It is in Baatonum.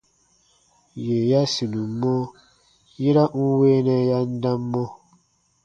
Yè ya sinum mɔ, yera n weenɛ ya n dam mɔ.